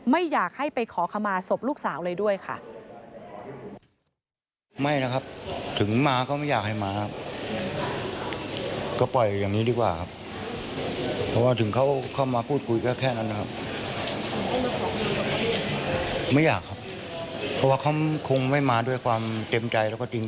ไม่อยากให้ไปขอขมาศพลูกสาวเลยด้วยค่ะ